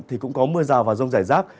thì cũng có mưa rào và rông rải rác